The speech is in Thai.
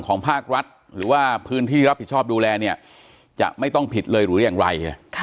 ก็เป็นการตั้งข้อสังเกตเอาไว้